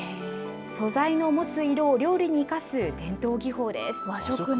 素材の持つ色を料理に生かす、伝和食の。